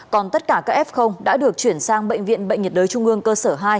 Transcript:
còn tất cả các f đã được chuyển sang bệnh viện bệnh nhiệt đới trung ương cơ sở hai